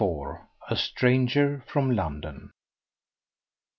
A STRANGER FROM LONDON.